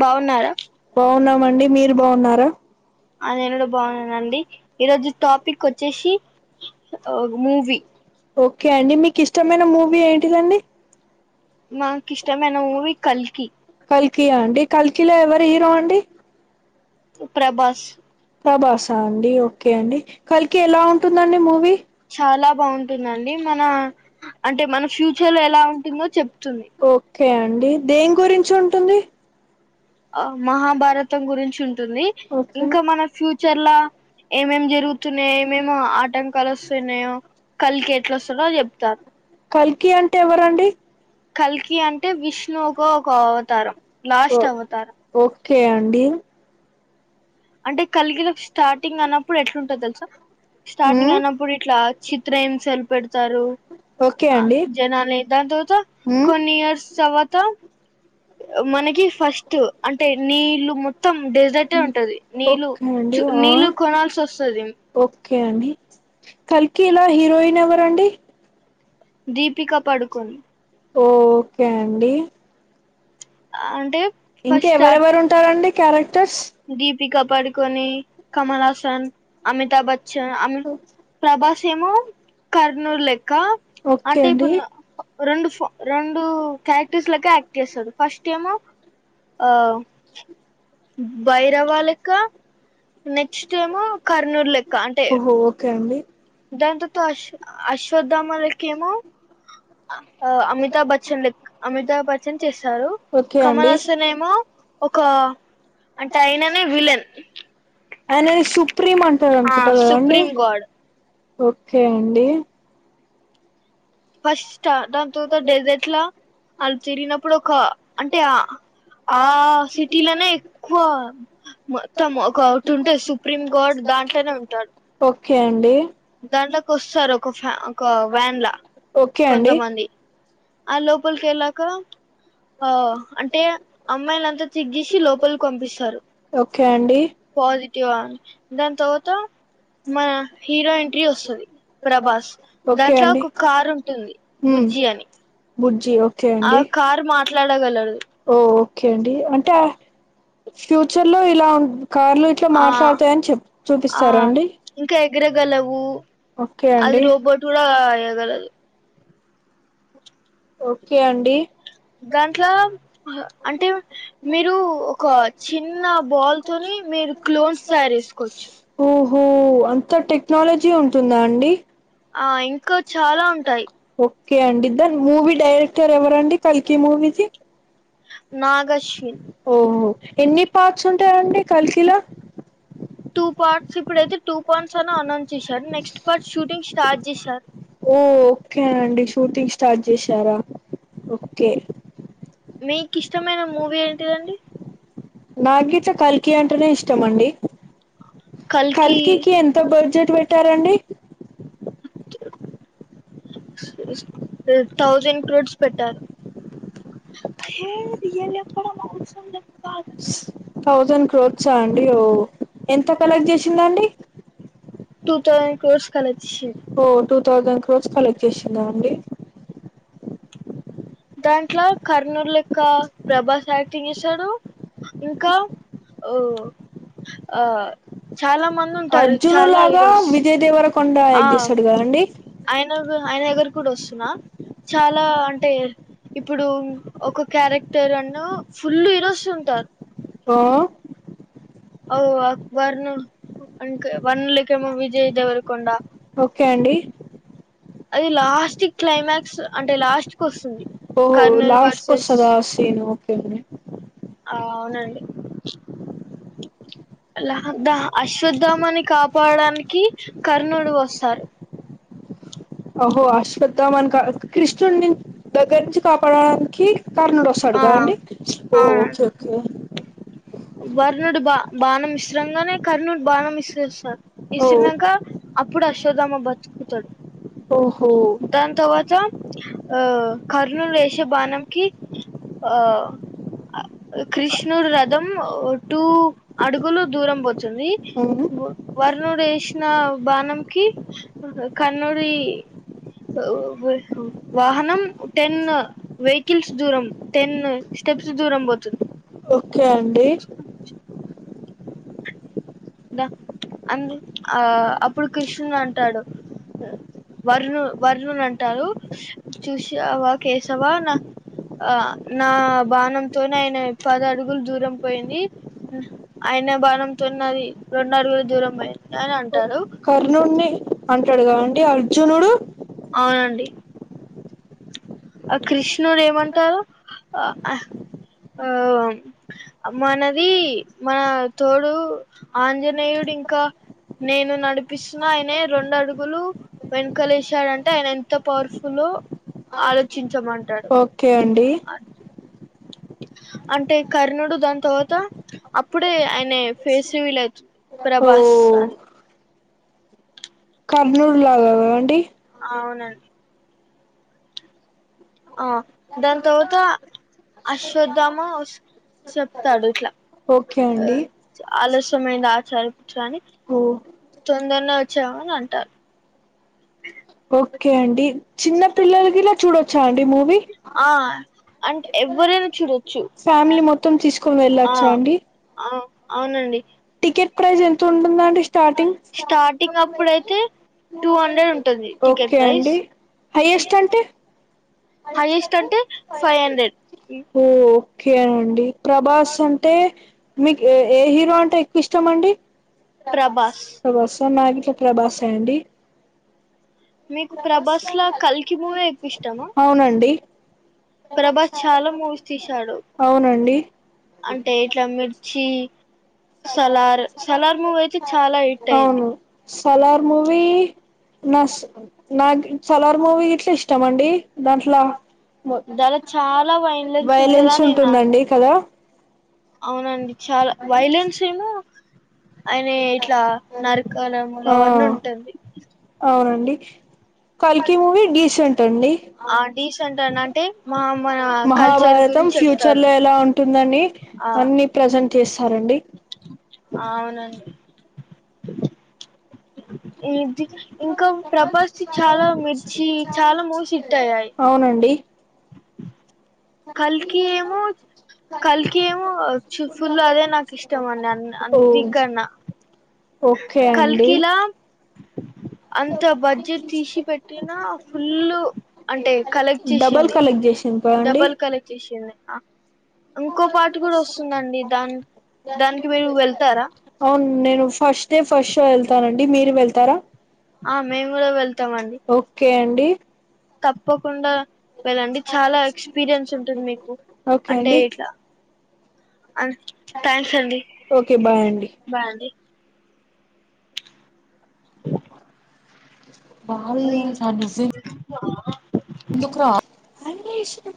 బావున్నారా బాగున్నారా బావున్నామండి మీరు బావున్నారా అ నేను గూడ బావున్నానండి, ఈరోజు టాపిక్ వచ్చేసి మూవీ. ఓకే అండి మీక్ ఇష్టమైన మూవీ ఏంటిదండి మాక్ ఇష్టమైన మూవీ కల్కి కల్కి ఆ అండి కల్కిలో ఎవరు హీరో అండి ప్రభాస్ ప్రభాస్ అండి ఓకే అండి ‌‌ కల్కి ఎలా ఉంటుందండి మూవీ చాలా ఓకే బాగుంటుందండి మన అంటే మన ఫ్యూచర్ లో ఎలా ఉంటుందో చెప్తుంది ఓకే అండి దేన్ గురించి ఉంటుంది ఆ మహాభారతం గురించి ఉంటుంది ఓకే ఇంకా మన ఫ్యూచర్లా ఏమేం జరుగుతున్నాయో ఏమేం ఆటంకాలు వస్తున్నాయాో కల్కి ఎట్లా వస్తుండొ జేప్తారు కల్కి అంటే ఎవరండీ కల్కి అంటే విష్ణువుగా ఒక అవతారం ఓ లాస్ట్ అవతారం ఓకే అండి అంటే కల్కిలో స్టార్టింగ్ అన్నప్పుడు ఎట్లుంటాదో దేలుసా స్టార్టింగ్ మ్మ్ అయినప్పుడు ఇట్లా చిత్రహింసలు పెడుతారు ఓకే ఆ అండి జనాలనీ దాన్ తరువాత మ్మ్ కొన్ని ఇయర్స్ తర్వాత మనకి ఫస్ట్ అంటే నీళ్లు మొత్తం డెజర్టే ఉంటది నీళ్లు ఓకే అండి ఆ నీళ్లు కొనాల్సి వస్తది ఓకే అండి కల్కిల హీరోయిన్ ఎవరండి దీపిక పడుకొని ఓకే అండి ఆ అంటే ఇంకా ఫస్ట్ ఎవరెవరు ఉంటారండి క్యారెక్టర్స్ దీపికా పడుకొని కమల్ హసన్ అమితా బచ్చన్ అమ్ ప్రభాసు ను కర్నూలు లెక్క అంటే అండి ఇప్పుడు రెండు ఫ రెండు క్యారెక్టర్స్ లెక్క యాక్ట్ జేస్తాడు ఫస్ట్ ఏమో ఆ బైరవా లెక్క నెక్స్ట్ ఏమో కర్ణుడు లెక్క అంటే ఓహో ఓకే అండి దాన్ తాత అశ్ అశ్వధమ లెక్క ఏమో అమితాబచ్చ చెన్ లెక్ అమితాబ్ బచ్చన్ చేశారు ఓకే కమల్ అండి హసన్ ఏమో ఒక అంటే అయిననే విలన్ అయనాని సుప్రీం అంటారు ఆ అనుకుంటా గాదండి సుప్రీం గాడ్ ఓకే అండి ఫస్ట్ ఆ దాన్ తార్వత డెజర్ట్ లా ఆళ్ తిరిగినప్పుడు ఒక ఆ అంటే ఆ ఆ సిటీలోనే ఎక్కువ మొత్తం ఒక టూటాది సుప్ ప్రిమ్ గోడ్ దాంట్లోనె ఉంటాడ్ ఓక్కే అండి దాంట్లోకొస్సారు ఒక ఫ్యా ఒక వ్యాన్ల ఓకే అండి కొంతమంది అ లోపల్కెళ్ళాక ఆ అంటే అమ్మాయ్లంత చెగ్జేషి లోపల్కి పంపిస్తారు. ఓకే అండి పాజిటివ్వ దాన్ తర్వాత మా హీరో ఎంట్రి వస్తుది ప్రభాస్ ఓకే దాంట్లో అండి ఒకు కారుంటుంది బుజ్జీ అని బుజ్జి ఒకే ఆ అండి. కారు మాట్లాడగలదు ఓ ఓకె అండి అంటె అ ఫ్యూచర్లొ ఇలా ఉన్ కార్లు ఇట్ల మాట్లాడతదన్ చెప్ చూపిస్తారా అండి ఇంక ఎగరగలవూ ఓకే అది అండి రోబోట్ గూడ గాదది యెగలదు ఒక్కే అండి. గాంట్లా అంటె మీరూ ఒక చిన్న బాల్ తొని మీరు క్లోన్స్ తయార్జేస్కోచ్చు. ఓహో అంత టెక్నాలజీ ఉంటుందా అండి ఆ ఇంక ఇంకా చాలా ఉంటయ్ ఉంటాయి ఒ ఒకే అండి దాన్ మూవీ డైరెక్టరెవరండి కల్కీ మూవీకి. నాగశ్విన్ ఓహో ఎన్ని పార్ట్సుంటాయండి కల్కీలొ టూ పార్ట్స్, ఇప్పుడైతె టూ పాండ్సని అనౌన్చేశారు, నెక్స్ట్ పార్ట్స్ షూటింగ్ స్టార్ట్ జేశారు. ఓ ఒక్కే అండి షూటింగ్ స్టార్ట్ జేశారా ఒక్కే. మీకిష్టమైన మూవీ ఏంటిదండి. నాగ్గిట్ల కల్కీ అంటెనె ఇష్టమండి కల్కి కల్కీకి ఎంత బడ్జెట్ పెట్టారండి థౌజండ్ క్రోర్స్ పెట్టారు హే రయల్ జెప్పడం అవ్సరం లేద్ బాయ్ థౌజండ్ క్రోర్సా అండి ఓ ఎంత కలెక్ట్ జేషిందండి టూ థౌజండ్ కోర్స్ కలెక్చ్ ఓ టూ థౌజండ్ క్రోర్స్ కలెక్ట్ చేషిందా అండి దాంట్లో కర్ణుడ్ లెక్క ప్రభాస్ యాక్ తీసడు ఇంకా ఓ ఆ చాలా మందుంటారు అర్జును చాలా లాగా ఈరోజ్ విజయ్ దేవరకొండ [unintelligible] [inaudible] ఆ యాక్ట్ చేస్తాడు కదండి ఆయన గు ఆయన దగ్గర్ గూడొస్తున్నా చాలా అంటే ఇప్పుడూ ఒక క్యారెక్టరన్న ఫుల్ల్ ఈరోసుంటారు ఓ ఓ అక్బర్ను వన్ కే వన్ లేకెమొ విజయ్ దేవర్కొండ ఒక్కే అండి అది లాస్టి క్లైమాక్స్ అంటె లాస్ట్కొస్తుంది ఓహొ లాస్ట్ కొస్తదా ఆ సీన్ ఒక్కే అండి ఆ ఔనండి. అలా రబ్బా అశ్వద్దామని కాపాడాన్కి కర్ణుడు వస్తాడ్ అహో అశ్వత్థమాన్ కా కృిష్ణున్ని దగ్గర్నుంచి కాపాడడానికి కర్ణుడొస్తాడు ఆ కదండి ఓ ఒకే అవునండి ఒక్కే వర్ణుడు బా బాణమిస్రంగానె కర్ణుడ్ బాణమిస్రేస్త ఓ ఇసిర్నంక అప్పుడు అశ్వద్దామ్మ బతుకుతడు ఓహో దాన్ తర్వాత ఆ కర్ణుడు ఏసే బాణంకి ఆ కృష్ణుడు రథం టూ అడుగులు దూరం బోతు చూన్ వి అవును వర్క్ వరుణుడు ఏసిన బాణంకి కర్ణుడి వాహనం టెన్ వెహికల్స్ దూరం టెన్ స్టెప్స్ దూరం బోతుంది ఓకే అండి అ చీప్ దా అందు ఆ అప్పుడు కృష్ణన్ అంటాడు వరుణ వరుణున్ అంటారు చూసావా ఆవా కేసవా నా ఆ నా బాణంతోనే ఆయన పది అడుగులు దూరం పోయింది ఆయన బాణంతోని నాది రెండుఅడుగులు దూరం బోయింది అని అంటారు కర్ణుడిని అంటాడు గాఅండి అర్జునుడు అవునండి ఆ కృష్ణుడు ఏమంటారు ఆ హా ఆ మనది మన తోడు ఆంజనేయుడు ఇంకా నేను నడిపిస్తున ఆయనే రెండు అడుగులు వెనుకలేశాడంటే ఆయన ఎంతో పవర్ఫులో ఆలోచ్ చించమన్ ఓకే అండి అంటే కర్ణుడు దాన్ తర్వాత అప్పుడే ఆయనే ఫేస్ రివీల్ అవుతు అయితూన్ది ఓ ప్రభాస్ అన్ కర్ణుడులాగా గాదండి అవునండి ఆ దాన్ తర్వాత అశ్వత్థమ వాస్ చెప్తాడు ఇట్లా ఓకే ఆ, అండి ఆలస్యమైంది ఆచారంచని ఓ తొందరనే వచ్చామని అంటారు ఓకే అండి చిన్న పిల్లలు గిట్ల చూడొచ్చా అండి మూవీ ఆ అంటే ఎవరైనా చుడోచూ ఫ్యామిలీ మొత్తం తీసుకొని వెళ్ళొచ్చ అండి ఆ అవునండి టికెట్ ప్రైజ్ ఎంతుటుందండి స్టార్టింగ్ స్టార్టింగ్ అప్పుడు టూ హండ్రెడ్ అయితే ఉంటుంది టికెట్ ఓకే ప్రైస్ అండి హైయెస్ట్ అంటే హైయెస్ట్ అంటే ఫైవ్ హండ్రెడ్ ఓకేనండి ప్రభాస్ అంటే మీక్ ఏ ఏ హీరో అంటే ఎక్ ఇష్టం అండి ప్రభాస్ ప్రభాస్ నాగిట్ల ప్రభాస్ అండి మీక్ ప్రభాస్ లా కల్కి మూవీ ఎక్కువ ఇష్టమా అవునండి ప్రభాస్ చాలా మూవీస్ తీసాడు అవునండి అంటే ఇట్లా మిర్చి సలార్ సలార్ మూవ్ అయితే చాలా హిట్ అయింది అవును సలార్ మూవీ నాస్ నాక్ సోలార్ మూవీ గిట్ల ఇష్టం ఇష్టంమండి దాంట్ల మొత్ దాలో చాలా వైలెన్స్ ఉంటదని నేను అన్న ఉంటుందండి కదా అవునండి చాలా వైలెన్స్ ఏమో ఆయన ఇట్లా నరకడములు ఆ అవన్నీ ఉంటుంది అవునండి కల్కి మూవీ డీసెంట్ అండి ఆ డీసెంట్ అని అంటే మా మన కల్చర్ మహాభారతం గురించి ఫ్యూ చర్ చెప్తాడు లో ఎలా ఉంటుందని ఆ అన్ని ప్రజెంట్ చేస్తారండి అవునండి ఇది ఇంకా ప్రభాస్ ది చాలా మిర్చి చాలా మూవీస్ హిట్ అయ్యాయి అవునండి కల్కి ఏమో కల్కి ఏమో చూ ఇప్పుడు అదే నాకు ఇష్టం అండి అన్ని కన్నా ఓకే అండి కల్కిలా అంత బడ్జెట్ తీసి పెట్టినా ఫుల్ అంటే కలెక్ట్ చేసింది చెప్పండి డబల్ కలెక్ట్ ఇంకో పాట కూడా వస్తుందండి దాని దానికి మీరు వెళ్తారా అవును నేను ఫస్ట్ డే ఫషో వెళ్తానండి మీరు వెళ్తారా ఆ మేము కూడా వెళ్తాం అండి ఓకే అండి తప్పకుండా వెళ్ళండి చాలా ఎక్స్పీరియన్స్ ఉంటుంది మీకు ఓకే అంటే అండి ఇట్లా ఆ థ్యాంక్స్ అండి ఓకే బాయ్ అండి బాయ్ అండి వామ్మో చాలా బిజీ ఆ ఎందుకురా అంటే ఇష్టం